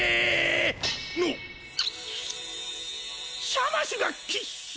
シャマシュがキッシュ！？